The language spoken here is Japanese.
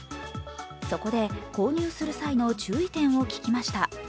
そこで購入する際の注意点を聞きました。